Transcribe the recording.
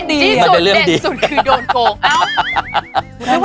เด่นที่สุดคือโดนโกง